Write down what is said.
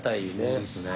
そうですね。